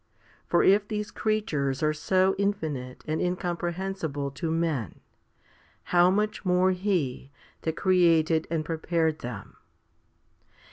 For if these creatures are so infinite and incomprehensible to men, how much more He that created and prepared them